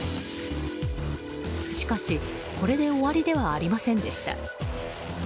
しかし、これで終わりではありませんでした。